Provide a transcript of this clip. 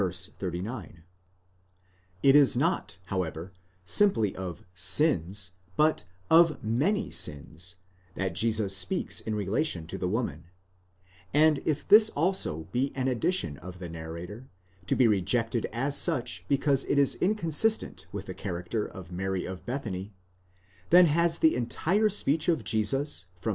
39.18 It is not, however, simply of sims, ἁμαρτίαι, but of many sins, πολλαῖ ἁμαρτίαι, that Jesus speaks in relation to the woman; and if this also be an addition of the narrator, to be rejected as such because it is inconsistent with the character of Mary of Bethany, then has the entire speech of Jesus from v.